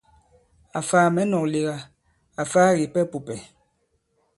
Àfaa mɛ̌ nɔ̄k lega, àfaa kìpɛ pùpɛ̀.